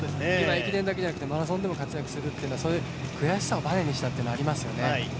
駅伝だけじゃなくてマラソンでも活躍するというのは悔しさをばねにしたというのはありますよね。